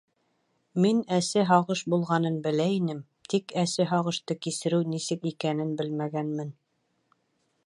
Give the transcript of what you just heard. Мин әсе һағыш булғанын белә инем, тик әсе һағышты кисереү нисек икәнен белмәгәнмен.